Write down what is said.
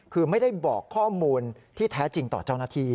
คือไม่ได้บอกข้อมูลที่แท้จริงต่อเจ้าหน้าที่